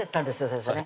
先生ね